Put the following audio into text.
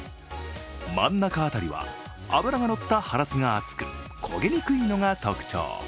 真ん中辺りは脂がのったハラスが厚く、焦げにくいのが特徴。